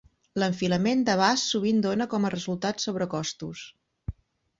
L'enfilament d'abast sovint dona com a resultat sobrecostos.